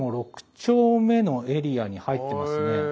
丁目のエリアに入ってますね。